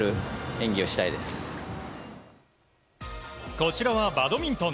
こちらはバドミントン。